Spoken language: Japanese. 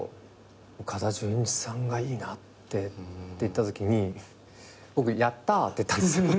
「岡田准一さんがいいな」って言ったときに僕やったーって言ったんですよ。